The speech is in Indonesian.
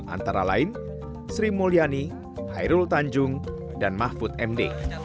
antara lain sri mulyani hairul tanjung dan mahfud md